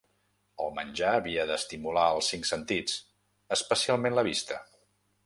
El menjar havia d'estimular els cinc sentits, especialment la vista.